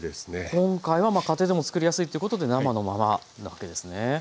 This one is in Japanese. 今回は家庭でも作りやすいということで生のままなわけですね。